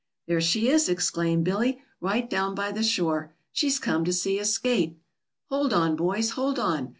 "There she is!" exclaimed Billy, "right down by the shore. She's come to see us skate." "Hold on, boys! hold on!